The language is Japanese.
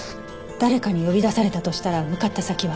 誰かに呼び出されたとしたら向かった先は？